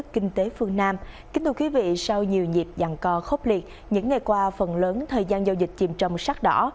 kính thưa quý vị sau nhiều dịp giàn co khốc liệt những ngày qua phần lớn thời gian giao dịch chìm trong sắc đỏ